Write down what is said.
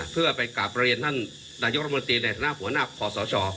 เพื่อไปกลับเรียนท่านนายกรมนตรีในฐานะหัวหน้าคอสช